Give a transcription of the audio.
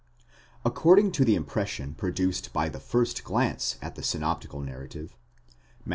+ According to the impression produced by the first glance at the synoptical narrative (Matt.